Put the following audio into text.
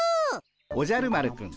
おじゃる丸くん